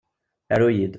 Aru-yi-d!